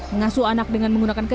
mengasuh anak dengan menggunakan